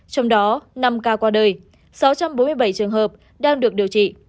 trong đó năm ca qua đời sáu trăm bốn mươi bảy trường hợp đang được điều trị